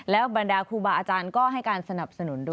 บรรดาครูบาอาจารย์ก็ให้การสนับสนุนด้วย